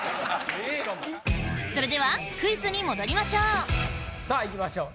それではクイズに戻りましょうさあいきましょう。